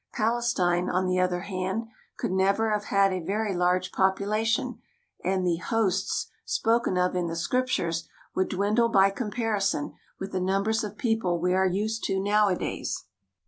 Palestine, on the other hand, could never have had a very large population, and the "hosts" spoken of in the Scriptures would dwindle by comparison with the numbers of people we are used to nowadays.